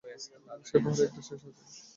সেই পাহাড়ে একটা শেষ গাছ আছে।